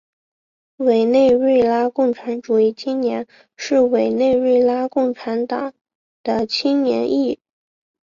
委内瑞拉共产主义青年是委内瑞拉共产党的青年翼。